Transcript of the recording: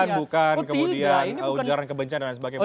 bukan tuduhan bukan kemudian ujaran kebenaran